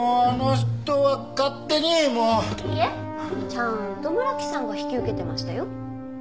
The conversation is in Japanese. ちゃんと村木さんが引き受けてましたよ。